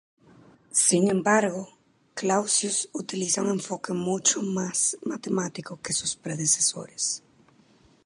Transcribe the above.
Sin embargo, Clausius utiliza un enfoque mucho más matemático que sus predecesores.